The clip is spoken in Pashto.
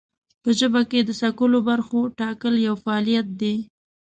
په ژبه کې د څکلو برخو ټاکل یو فعالیت دی.